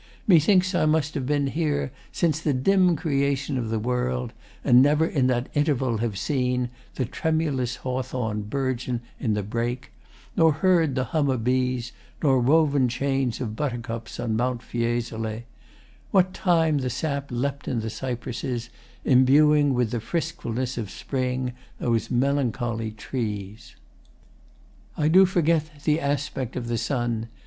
Methinks I must have been Here since the dim creation of the world And never in that interval have seen The tremulous hawthorn burgeon in the brake, Nor heard the hum o' bees, nor woven chains Of buttercups on Mount Fiesole What time the sap lept in the cypresses, Imbuing with the friskfulness of Spring Those melancholy trees. I do forget The aspect of the sun.